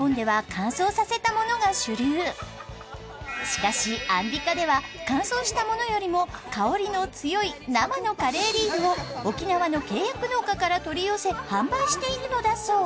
しかしアンビカでは乾燥したものよりも香りの強い生のカレーリーフを沖縄の契約農家から取り寄せ販売しているのだそう。